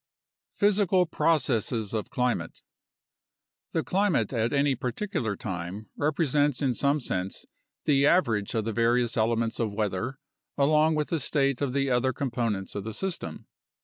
Physical Processes of Climate The climate at any particular time represents in some sense the average of the various elements of weather, along with the state of the other components of the system.